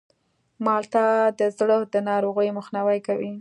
مالټه د زړه د ناروغیو مخنیوی کوي.